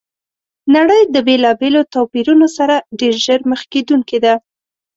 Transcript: نړۍ د بېلابېلو توپیرونو سره ډېر ژر مخ کېدونکي ده!